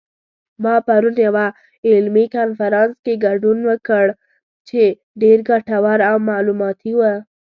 ما پرون یوه علمي کنفرانس کې ګډون وکړ چې ډېر ګټور او معلوماتي و